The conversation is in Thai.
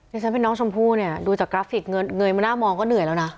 ฉันเป็นน้องชมพู่เนี่ยดูจากกราฟิกเงยมาหน้ามองก็เหนื่อยแล้วนะ